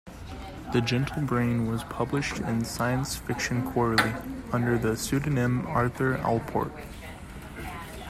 "The Gentle Brain" was published in "Science Fiction Quarterly" under the pseudonym Arthur Allport.